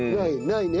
ないね？